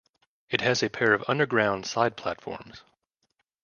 It has a pair of underground side platforms.